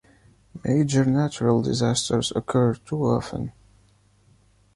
Major natural disasters occur too often.